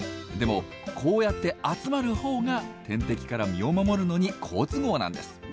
でもこうやって集まるほうが天敵から身を守るのに好都合なんです。